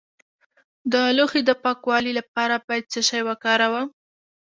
د لوښو د پاکوالي لپاره باید څه شی وکاروم؟